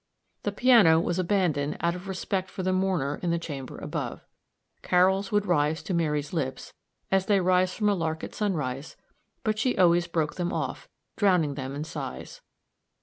The piano was abandoned out of respect for the mourner in the chamber above. Carols would rise to Mary's lips, as they rise from a lark at sunrise, but she always broke them off, drowning them in sighs.